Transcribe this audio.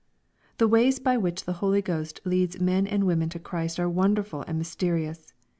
The ways by which the HolyGhost leads men and women to Christ are wonderful and mysterious.